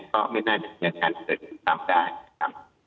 ก็ไม่น่าจะมีอาการเกิดตามได้นะครับ